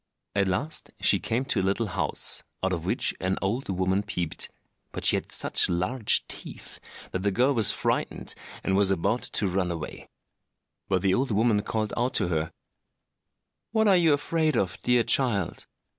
At last she came to a little house, out of which an old woman peeped; but she had such large teeth that the girl was frightened, and was about to run away. But the old woman called out to her, "What are you afraid of, dear child?